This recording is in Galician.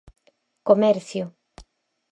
Comercio.